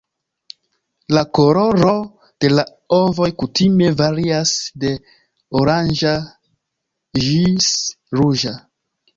La koloro de la ovoj kutime varias de oranĝa ĝis ruĝa.